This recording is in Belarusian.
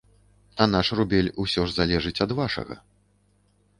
А наш рубель ўсё ж залежыць ад вашага.